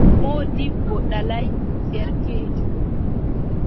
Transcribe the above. Moodibbo ɗalaay derkeejo.